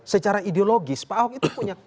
secara ideologis pak ahok itu punya